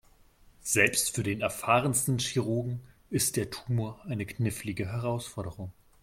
Selbst für den erfahrensten Chirurgen ist der Tumor eine knifflige Herausforderung.